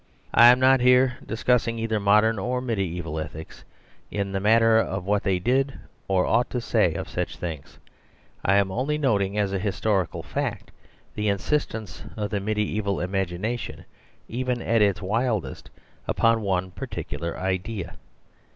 I am not here dis cussing either modern or mediaeval ethics, in the matter of what they did say or ought to say of such things. I am only noting as a historical fact the insistence of the mediaeval imagination, even at its wildest, upon one particular idea.